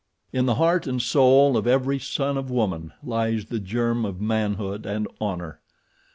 In the heart and soul of every son of woman lies the germ of manhood and honor.